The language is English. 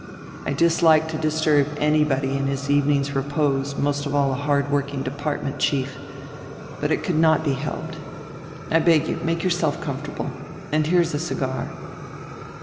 I dislike to disturb anybody in his evening's repose, most of all a hard worked department chief. But it could not be helped. I beg you, make yourself comfortable, and here is a cigar."